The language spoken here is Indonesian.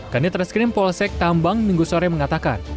kanit reskrim polsek tambang minggu sore mengatakan